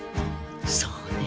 そうね。